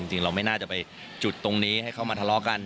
จริงเราไม่น่าจะไปจุดตรงนี้ให้เข้ามาทะเลาะกัน